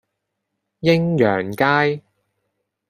鷹揚街